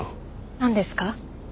なんですか？